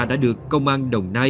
đã được công an đồng nai